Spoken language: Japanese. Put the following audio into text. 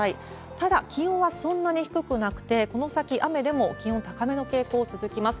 ただ、気温はそんなに低くなくて、この先、雨でも気温高めの傾向続きます。